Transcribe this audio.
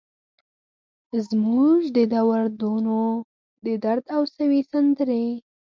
زموږ د دور دونو ، ددرد او سوي سندرې